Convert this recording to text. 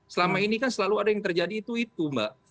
selama ini kan selalu ada yang terjadi itu itu mbak